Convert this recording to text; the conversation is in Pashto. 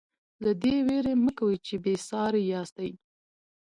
له دې وېرې مه کوئ چې بې ساري یاستئ.